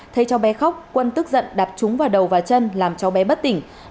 thấy cháu bé khóc quân tức giận đạp trúng vào đầu và chân làm cháu bé bất tỉnh